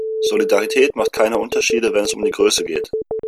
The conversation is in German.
Solidarität macht keine Unterschiede, wenn es um die Größe geht.